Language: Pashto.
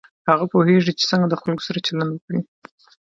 هغه پوهېږي چې څنګه د خلکو سره چلند وکړي.